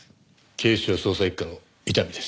警視庁捜査一課の伊丹です。